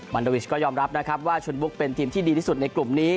มันโดวิชก็ยอมรับนะครับว่าชุดบุ๊กเป็นทีมที่ดีที่สุดในกลุ่มนี้